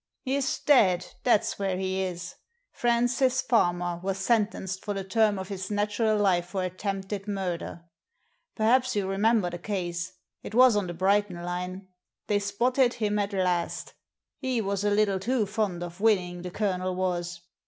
"He's dead, that's where he is. Francis Farmer Digitized by VjOOQIC A PACK OF CARDS 63 was sentenced for the term of his natural life for attempted murder. Perhaps you remember the case. It was on the Brighton line. They spotted him at last — ^he was a little too fond of winning, the Colonel was.